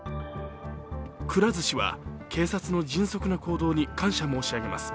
くら寿司は、警察の迅速な行動に感謝申し上げます。